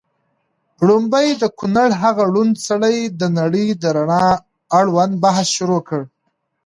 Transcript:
ړومبی د کونړ هغه ړوند سړي د نړۍ د رڼا اړوند بحث شروع کړ